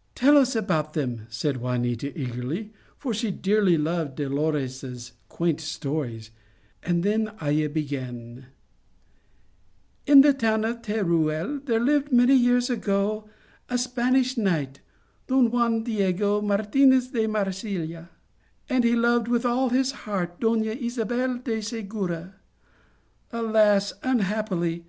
" Tell us about them," said Juanita, eagerly, for she dearly loved Dolores's quaint stories ; and the ay a began :" In the town of Teruel there lived, many years ago, a Spanish knight, Don Juan Diego Martinez de Marcilla, and he loved with all his heart Dona Isabel de Segura. Alas, un happily